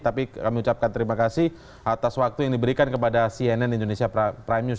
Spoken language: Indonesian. tapi kami ucapkan terima kasih atas waktu yang diberikan kepada cnn indonesia prime news